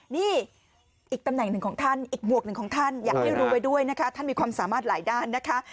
นี่อีกตำแหน่งหนึ่งของท่านอีกบวกหนึ่งของท่านอยากให้รู้ไว้ด้วยนะคะท่านมีความสามารถหลายด้านนะคะ